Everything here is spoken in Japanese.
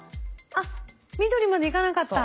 あっ緑まで行かなかった。